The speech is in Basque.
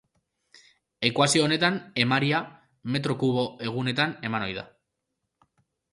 Ekuazio honetan emaria metro kubo egunetan eman ohi da.